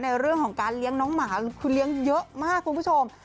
ในเรื่องของการเลี้ยงน้องหมาคือเลี้ยงเยอะมากคุณผู้ชม